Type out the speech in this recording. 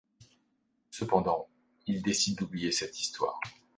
Cependant, il décide d'oublier cette histoire.